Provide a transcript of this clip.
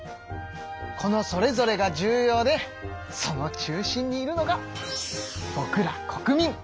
このそれぞれが重要でその中心にいるのがぼくら国民。